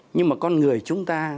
nhưng mà con người chúng ta